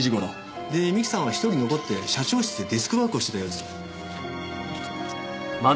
で三木さんは一人残って社長室でデスクワークをしてたようです。